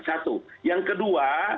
satu yang kedua